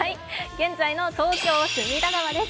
現在の東京・隅田川です。